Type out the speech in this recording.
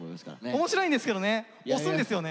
面白いんですけどね押すんですよね。